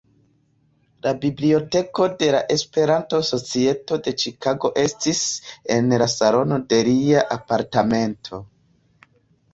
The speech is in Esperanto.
La Biblioteko de la Esperanto-Societo de Ĉikago estis en la salono de lia apartamento.